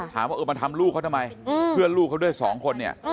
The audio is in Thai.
ถามว่าเออมาทำลูกเขาทำไมเพื่อนลูกเขาด้วยสองคนเนี่ย